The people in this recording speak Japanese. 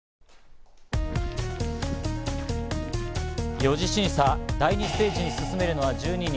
４次審査、第２ステージに進めるのは１２人。